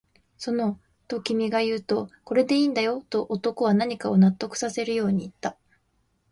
その、と君が言うと、これでいいんだよ、と男は何かを納得させるように言った